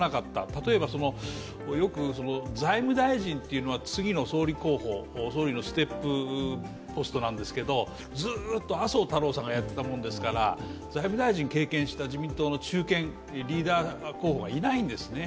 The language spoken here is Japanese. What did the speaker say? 例えばよく財務大臣というのは次の総理候補、総理のステップポストなんですけど、ずっと麻生太郎さんがやっていたものですから、財務大臣経験した自民党の中堅リーダー候補がいないんですね。